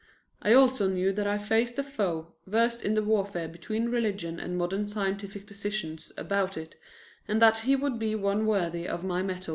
I also knew that I faced a foe versed in the warfare between religion and modern scientific decisions about it and that he would be one worthy of my metal.